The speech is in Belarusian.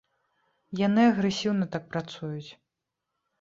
Яны агрэсіўна так працуюць.